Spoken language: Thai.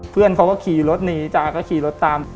เพื่อนเขาก็ขี่รถหนีจ๋าก็ขี่รถตาม